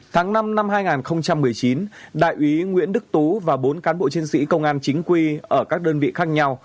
tháng năm năm hai nghìn một mươi chín đại úy nguyễn đức tú và bốn cán bộ chiến sĩ công an chính quy ở các đơn vị khác nhau